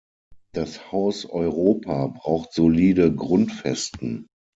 Das Haus Europa braucht solide Grundfesten.